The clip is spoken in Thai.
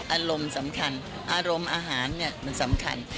อารมณ์สำคัญอารมณ์อาหารเนี่ยมันสำคัญ